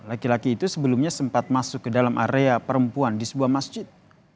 laki laki itu sebelumnya sempat masuk ke dalam area perempuan di sebuah masjid